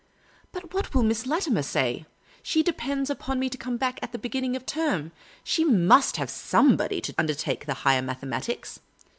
" But what will Miss Eatimer say ? She depends upon me to come back at the beginning of term. She must have somebody to undertake the higher mathematics."